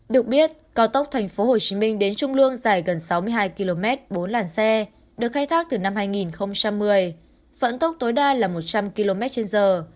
được biết cao tốc tp hcm đến trung lương dài gần sáu mươi hai km bốn làn xe được khai thác từ năm hai nghìn một mươi vận tốc tối đa là một trăm linh km trên giờ